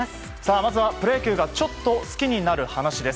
まずは、プロ野球がちょっと好きになる話です。